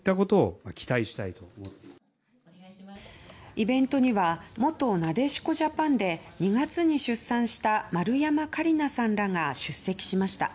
イベントには元なでしこジャパンで２月に出産した丸山桂里奈さんらが出席しました。